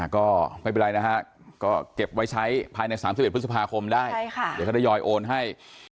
ก็ไม่เป็นไรนะฮะก็เก็บไว้ใช้ภายใน๓๑พฤษภาคมได้เดี๋ยวเขาทยอยโอนให้